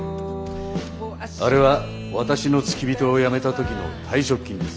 あれは私の付き人を辞めた時の退職金です。